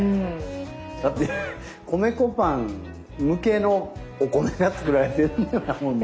だって米粉パン向けのお米がつくられてるんやもんね。